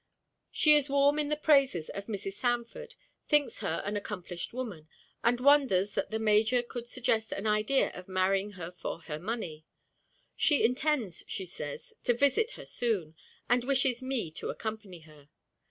She is warm in the praises of Mrs. Sanford, thinks her an accomplished woman, and wonders that the major could suggest an idea of marrying her for her money. She intends, she says, to visit her soon, and wishes me to accompany her.